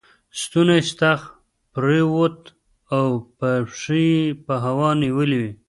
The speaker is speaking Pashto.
ستونی ستغ پر ووت او پښې یې په هوا ونیولې.